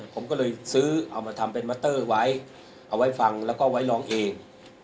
ผมก็เลยซื้อเอามาทำเป็นมัตเตอร์ไว้เอาไว้ฟังแล้วก็ไว้ร้องเอง